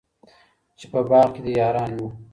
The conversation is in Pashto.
چي په باغ کي دي یاران وه